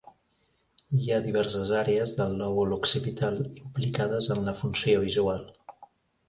Hi ha diverses àrees del lòbul occipital implicades en la funció visual.